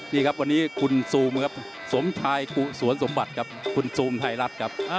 นี่ครับวันนี้คุณซูมครับสมชายกุศลสมบัติครับคุณซูมไทยรัฐครับ